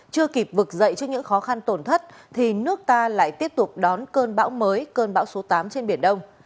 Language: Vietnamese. chưa kịp vực dậy trước những khó khăn tổn thất thì nước ta lại tiếp tục đón cơn bão mới cơn bão số tám trên biển đông